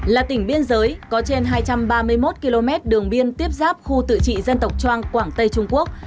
là tỉnh biên giới có trên hai trăm ba mươi một km đường biên tiếp giáp khu tự trị dân tộc trang quảng tây trung quốc